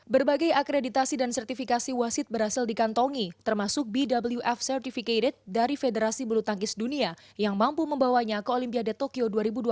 berbagai akreditasi dan sertifikasi wasit berhasil dikantongi termasuk bwf certificated dari federasi bulu tangkis dunia yang mampu membawanya ke olimpiade tokyo dua ribu dua puluh